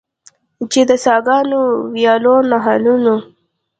چې د څاګانو، ویالو، نهرونو.